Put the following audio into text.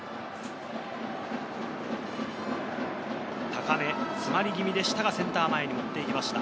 高め、詰まり気味でしたがセンター前に持って行きました。